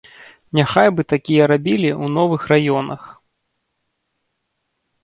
Няхай бы такія рабілі ў новых раёнах.